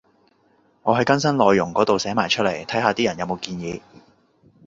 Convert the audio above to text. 我喺更新內容嗰度寫埋出嚟，睇下啲人有冇建議